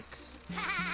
ハハハハ！